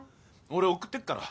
俺送ってくから。